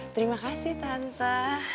terima kasih tante